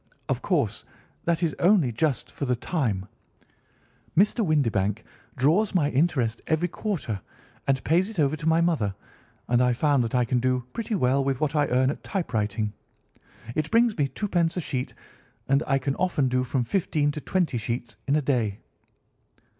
Of course, that is only just for the time. Mr. Windibank draws my interest every quarter and pays it over to mother, and I find that I can do pretty well with what I earn at typewriting. It brings me twopence a sheet, and I can often do from fifteen to twenty sheets in a day."